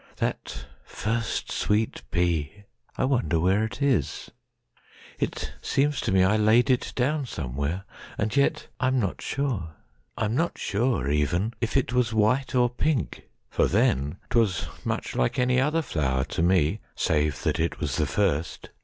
That first sweet pea! I wonder where it is.It seems to me I laid it down somewhere, And yet,—I am not sure. I am not sure, Even, if it was white or pink; for then'Twas much like any other flower to me, Save that it was the first.